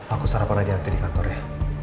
aku sarapan aja nanti di kantor ya